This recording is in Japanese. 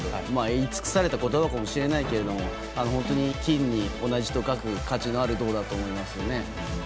言い尽くされた言葉かもしれないけど金に同じと書く価値のある銅だと思いますね。